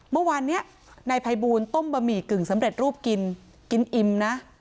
เมื่อวานนี้นายภัยบูลต้มบะหมี่กึ่งสำเร็จรูปกินกินอิ่มนะ